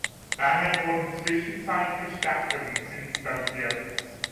Daher wurden zwischenzeitlich Dachrinnen installiert.